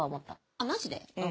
あっマジで？